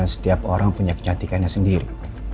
setiap orang punya kenyatikannya sendiri